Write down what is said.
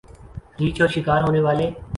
ریچھ اور شکار ہونے والے